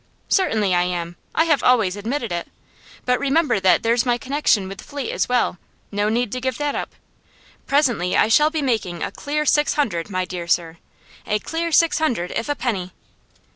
'Certainly I am. I have always admitted it. But remember that there's my connection with Fleet as well; no need to give that up. Presently I shall be making a clear six hundred, my dear sir! A clear six hundred, if a penny!